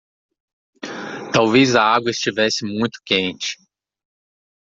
Talvez a água estivesse muito quente.